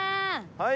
はい。